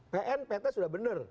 pnpt sudah bener